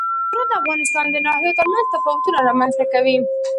ستوني غرونه د افغانستان د ناحیو ترمنځ تفاوتونه رامنځ ته کوي.